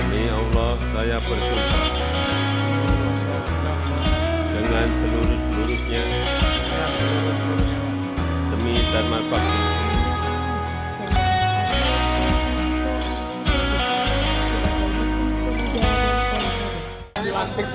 demi allah saya bersyukur dengan seluruh seluruhnya demi dharmat